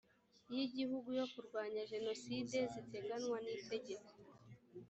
y igihugu yo kurwanya jenoside ziteganywa n itegeko